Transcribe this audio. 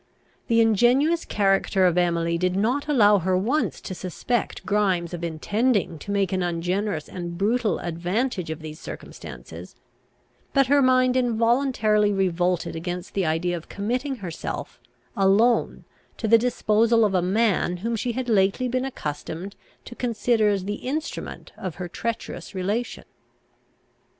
The ingenuous character of Emily did not allow her once to suspect Grimes of intending to make an ungenerous and brutal advantage of these circumstances; but her mind involuntarily revolted against the idea of committing herself, alone, to the disposal of a man, whom she had lately been accustomed to consider as the instrument of her treacherous relation.